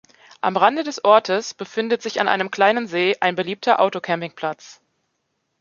Am Rande des Ortes befindet sich an einem kleinen See ein beliebter Autocamping-Platz.